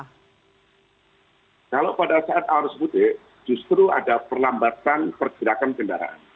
kalau pada saat arus mudik justru ada perlambatan pergerakan kendaraan